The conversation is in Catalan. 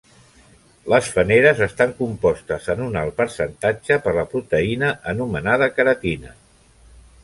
Les fàneres estan compostes en un alt percentatge per la proteïna anomenada queratina.